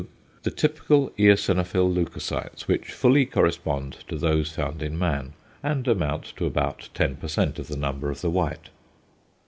The typical =eosinophil leucocytes=, which fully correspond to those found in man, and amount to about 10% of the number of the white.